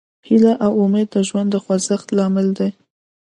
هیله او امید د ژوند د خوځښت لامل دی.